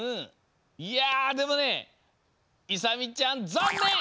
いやでもねいさみちゃんざんねん！